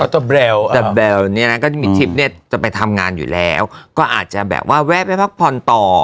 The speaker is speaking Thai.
แต่แบลเนี่ยนะก็จะมีทริปเนี่ยจะไปทำงานอยู่แล้วก็อาจจะแบบว่าแวะไปพักผ่อนต่อ